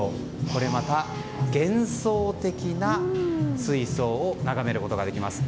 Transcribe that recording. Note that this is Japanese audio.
これまた幻想的な水槽を眺めることができます。